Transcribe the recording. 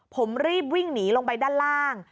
ผมรีบวิ่งหนีลงไปด้านล่าง